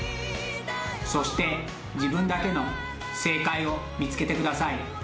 そして自分だけの正解を見つけてください。